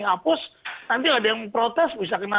hapus nanti ada yang protes